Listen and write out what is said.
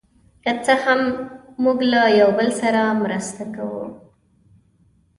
که څه هم، موږ له یو بل سره مرسته کوو.